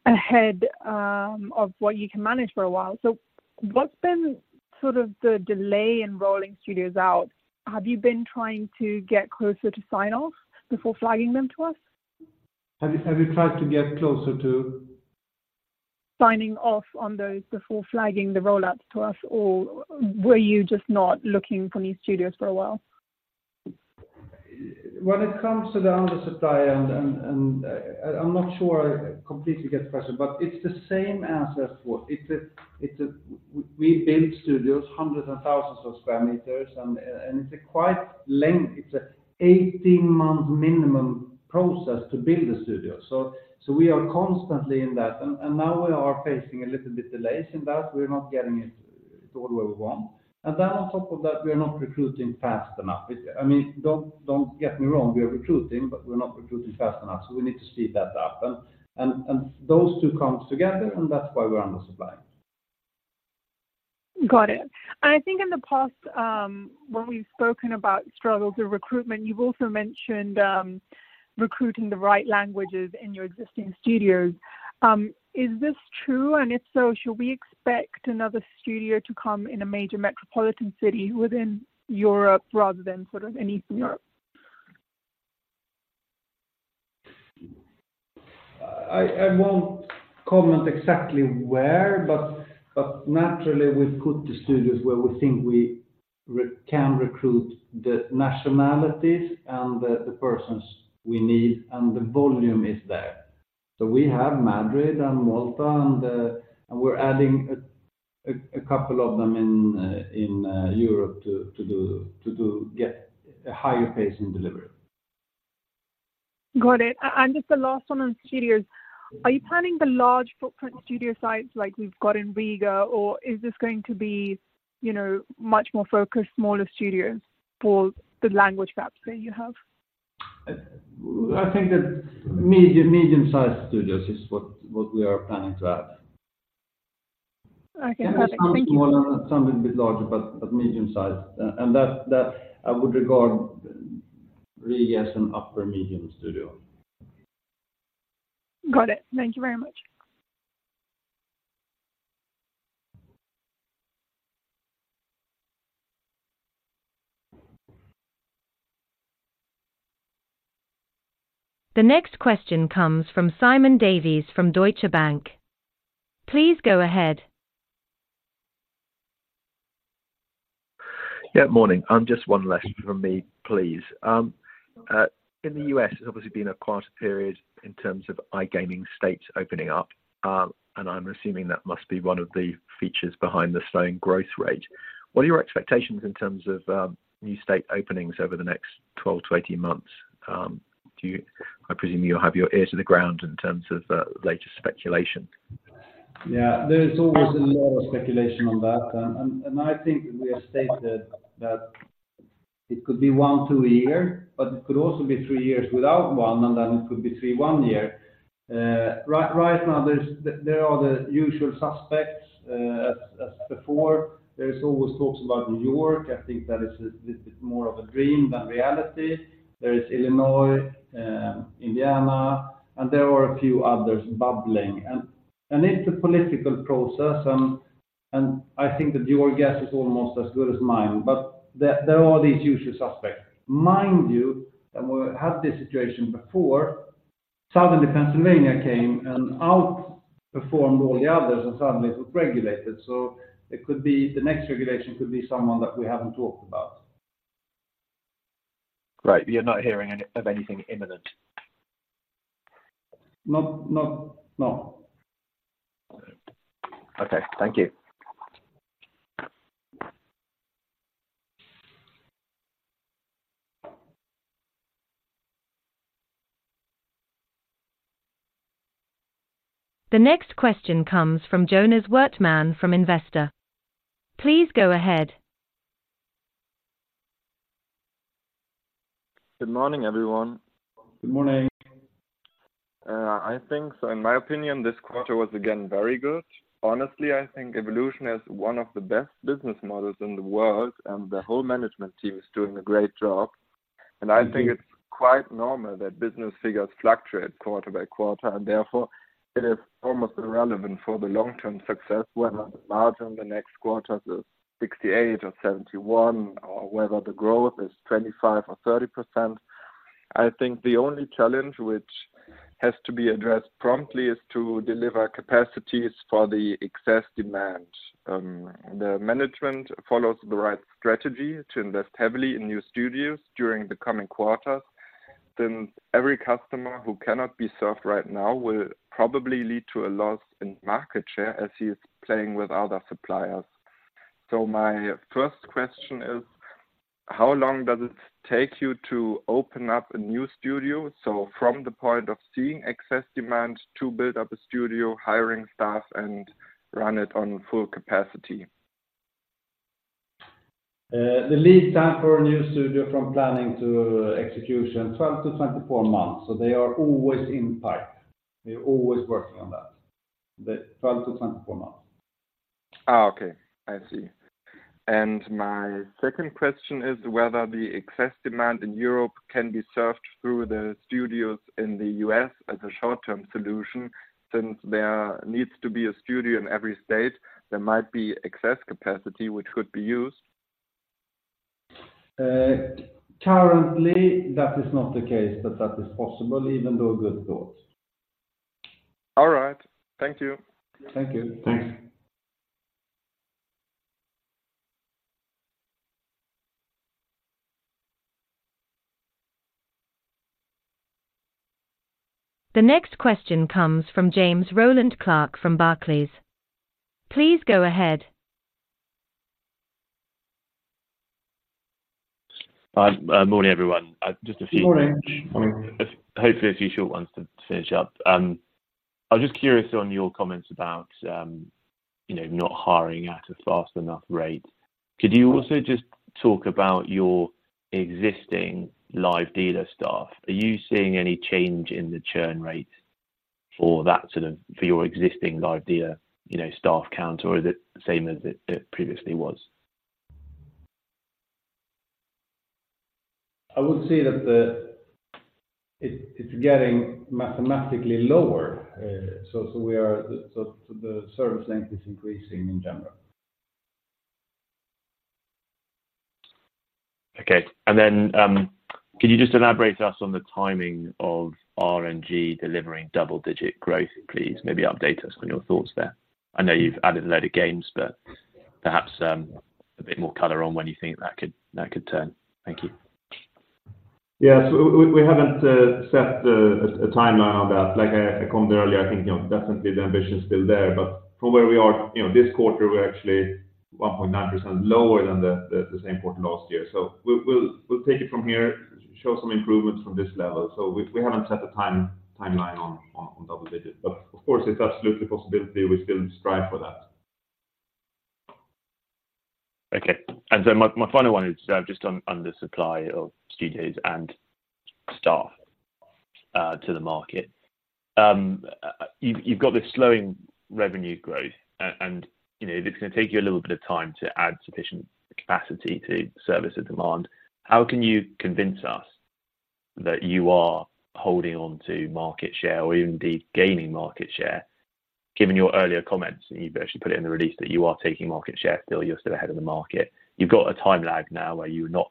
ahead of what you can manage for a while. So what's been sort of the delay in rolling studios out? Have you been trying to get closer to sign off before flagging them to us? Have you tried to get closer to? Signing off on those before flagging the rollouts to us, or were you just not looking for new studios for a while? When it comes to the undersupply, and I'm not sure I completely get the question, but it's the same answer for—it's a—we build studios, hundreds and thousands of square meters, and it's a quite lengthy—it's an 18-month minimum process to build a studio. So we are constantly in that, and now we are facing a little bit delays in that. We're not getting it to where we want. And then on top of that, we are not recruiting fast enough. I mean, don't get me wrong, we are recruiting, but we're not recruiting fast enough, so we need to speed that up. And those two comes together, and that's why we're undersupply. Got it. And I think in the past, when we've spoken about struggles or recruitment, you've also mentioned, recruiting the right languages in your existing studios. Is this true? And if so, should we expect another studio to come in a major metropolitan city within Europe rather than sort of Eastern Europe? I won't comment exactly where, but naturally, we put the studios where we think we can recruit the nationalities and the persons we need, and the volume is there. So we have Madrid and Malta, and we're adding a couple of them in Europe to get a higher pace in delivery. Got it. Just the last one on studios. Are you planning the large footprint studio sites like we've got in Riga, or is this going to be, you know, much more focused, smaller studios for the language maps that you have? I think that medium-sized studios is what we are planning to add. Okay, perfect. Thank you. Some smaller and some a bit larger, but medium-sized. That I would regard Riga as an upper medium studio.... Got it. Thank you very much. The next question comes from Simon Davies from Deutsche Bank. Please go ahead. Yeah, morning. Just one last from me, please. In the U.S., there's obviously been a quieter period in terms of iGaming states opening up, and I'm assuming that must be one of the features behind the slowing growth rate. What are your expectations in terms of new state openings over the next 12-18 months? Do you—I presume you'll have your ear to the ground in terms of latest speculation. Yeah, there is always a lot of speculation on that. And I think we have stated that it could be 1, 2 a year, but it could also be 3 years without one, and then it could be 3, 1 year. Right now, there are the usual suspects, as before. There's always talks about New York. I think that is a little bit more of a dream than reality. There is Illinois, Indiana, and there are a few others bubbling. And it's a political process, and I think that your guess is almost as good as mine, but there are these usual suspects. Mind you, and we had this situation before, suddenly Pennsylvania came and outperformed all the others, and suddenly it was regulated. So it could be the next regulation could be someone that we haven't talked about. Right. You're not hearing any of anything imminent? No. Okay. Thank you. The next question comes from Jonas Wortmann from Investor. Please go ahead. Good morning, everyone. Good morning. I think, so in my opinion, this quarter was again, very good. Honestly, I think Evolution is one of the best business models in the world, and the whole management team is doing a great job. And I think it's quite normal that business figures fluctuate quarter by quarter, and therefore, it is almost irrelevant for the long-term success, whether the margin in the next quarter is 68 or 71, or whether the growth is 25 or 30%. I think the only challenge which has to be addressed promptly is to deliver capacities for the excess demand. The management follows the right strategy to invest heavily in new studios during the coming quarters. Since every customer who cannot be served right now will probably lead to a loss in market share as he is playing with other suppliers. My first question is: How long does it take you to open up a new studio? From the point of seeing excess demand to build up a studio, hiring staff and run it on full capacity? The lead time for a new studio from planning to execution, 12-24 months. So they are always in the pipeline. We're always working on that, the 12-24 months. Oh, okay. I see. And my second question is whether the excess demand in Europe can be served through the studios in the U.S. as a short-term solution, since there needs to be a studio in every state, there might be excess capacity, which could be used. Currently, that is not the case, but that is possible, even though a good thought. All right. Thank you. Thank you. Thanks. The next question comes from James Rowland Clark from Barclays. Please go ahead. Hi, morning, everyone. Just a few- Morning. Hopefully a few short ones to finish up. I was just curious on your comments about, you know, not hiring at a fast enough rate. Could you also just talk about your existing live dealer staff? Are you seeing any change in the churn rate for that sort of, for your existing live dealer, you know, staff count, or is it the same as it, it previously was? I would say that it's getting mathematically lower, so the service length is increasing in general. Okay. And then, could you just elaborate to us on the timing of RNG delivering double-digit growth, please? Maybe update us on your thoughts there. I know you've added a lot of games, but perhaps, a bit more color on when you think that could turn. Thank you. Yeah. So we haven't set a timeline on that. Like I commented earlier, I think, you know, definitely the ambition is still there, but from where we are, you know, this quarter, we're actually 1.9% lower than the same point last year. So we'll take it from here, show some improvements from this level. So we haven't set a timeline on double digits, but of course, it's absolutely a possibility we still strive for that. Okay. And so my final one is just on the supply of studios and staff to the market. You've got this slowing revenue growth, and you know, it's gonna take you a little bit of time to add sufficient capacity to service the demand. How can you convince us that you are holding on to market share, or indeed gaining market share, given your earlier comments, and you've actually put it in the release, that you are taking market share, still you're still ahead of the market? You've got a time lag now where you're not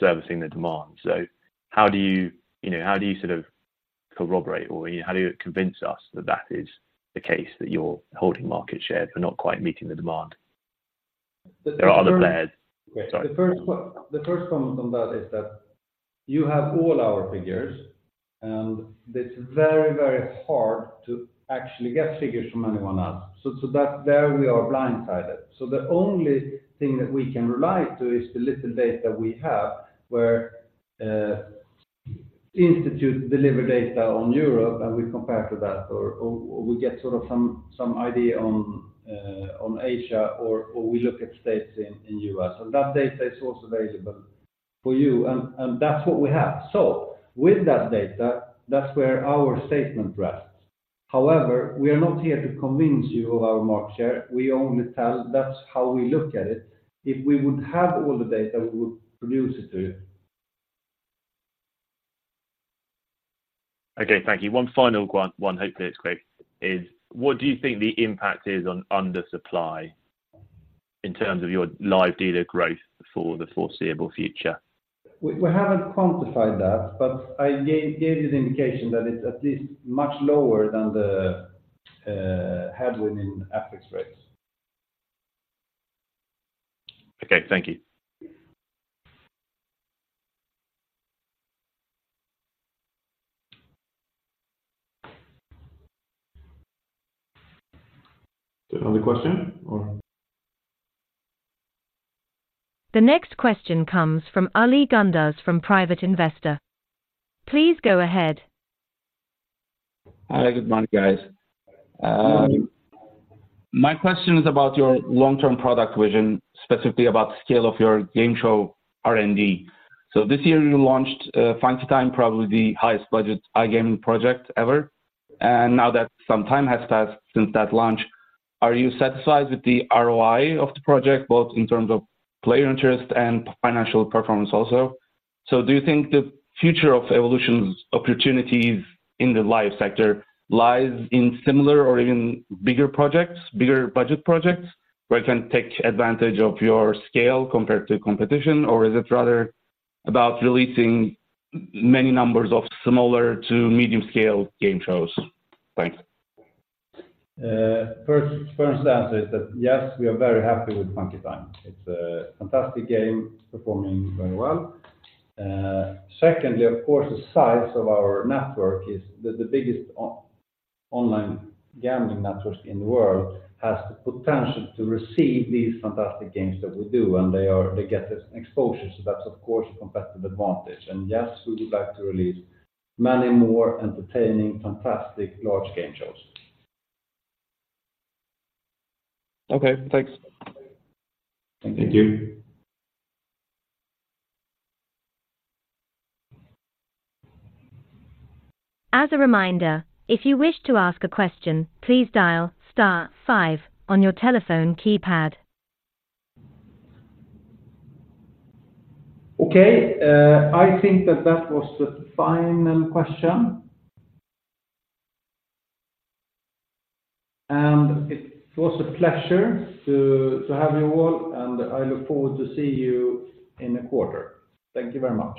servicing the demand. So how do you, you know, how do you sort of corroborate, or how do you convince us that that is the case, that you're holding market share, but not quite meeting the demand? There are other players. Sorry. The first one, the first comment on that is that you have all our figures, and it's very, very hard to actually get figures from anyone else. So, so that there we are blindsided. So the only thing that we can rely to is the little data we have, where institute deliver data on Europe, and we compare to that, or, or we get sort of some, some idea on, on Asia, or, or we look at states in, in U.S. And that data is also available for you, and, and that's what we have. So with that data, that's where our statement rests. However, we are not here to convince you of our market share. We only tell, that's how we look at it. If we would have all the data, we would produce it to you. Okay, thank you. One final one, one, hopefully it's quick, is what do you think the impact is on under supply in terms of your live dealer growth for the foreseeable future? We haven't quantified that, but I gave you the indication that it's at least much lower than the headwind in FX rates. Okay, thank you. Is there another question, or? The next question comes from Ali Gündüz, from Private Investor. Please go ahead. Hi, good morning, guys. My question is about your long-term product vision, specifically about scale of your game show R&D. So this year you launched Funky Time, probably the highest budget iGaming project ever. And now that some time has passed since that launch, are you satisfied with the ROI of the project, both in terms of player interest and financial performance also? So do you think the future of Evolution's opportunities in the Live sector lies in similar or even bigger projects, bigger budget projects, where you can take advantage of your scale compared to competition? Or is it rather about releasing many numbers of smaller to medium scale game shows? Thanks. First answer is that, yes, we are very happy with Funky Time. It's a fantastic game, performing very well. Secondly, of course, the size of our network is the biggest online gambling network in the world, has the potential to receive these fantastic games that we do, and they get this exposure, so that's of course a competitive advantage. And yes, we'll be back to release many more entertaining, fantastic, large game shows. Okay, thanks. Thank you. As a reminder, if you wish to ask a question, please dial star five on your telephone keypad. Okay, I think that that was the final question. And it was a pleasure to, to have you all, and I look forward to see you in a quarter. Thank you very much.